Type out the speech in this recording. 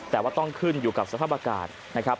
แต่ว่าต้องขึ้นอยู่กับสภาพอากาศนะครับ